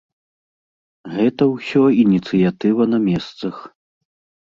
Гэта ўсё ініцыятыва на месцах.